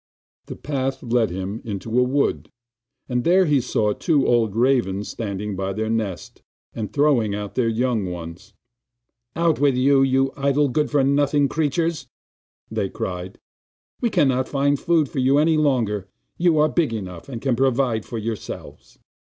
The path led him into a wood, and there he saw two old ravens standing by their nest, and throwing out their young ones. 'Out with you, you idle, good for nothing creatures!' cried they; 'we cannot find food for you any longer; you are big enough, and can provide for yourselves.